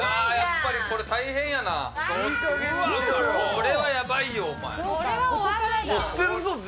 これはやばいよ、お前。